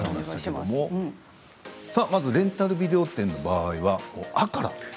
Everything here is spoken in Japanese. まずレンタルビデオ店の場合は「あ」の字から。